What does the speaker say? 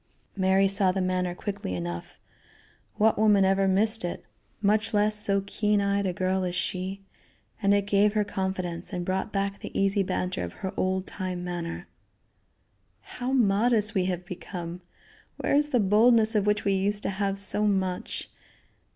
Mary saw the manner quickly enough what woman ever missed it, much less so keen eyed a girl as she and it gave her confidence, and brought back the easy banter of her old time manner. "How modest we have become! Where is the boldness of which we used to have so much?